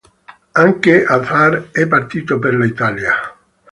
Anche Azhar è partito per l'Italia.